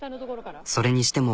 それにしても。